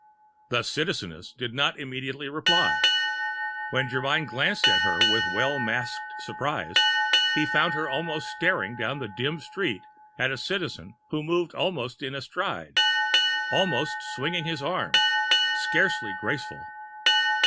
The Citizeness did not immediately reply. When Germyn glanced at her with well masked surprise, he found her almost staring down the dim street at a Citizen who moved almost in a stride, almost swinging his arms. Scarcely graceful.